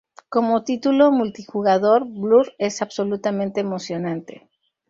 Como título multijugador, Blur es absolutamente emocionante.